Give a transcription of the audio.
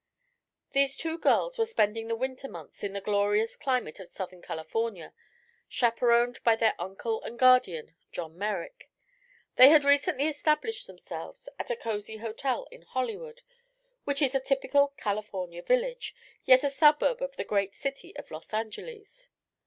These two girls were spending the winter months in the glorious climate of Southern California, chaperoned by their uncle and guardian, John Merrick. They had recently established themselves at a cosy hotel in Hollywood, which is a typical California village, yet a suburb of the great city of Los Angeles.